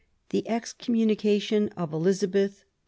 THE EXCOMMUNICATION OF ELIZABETH.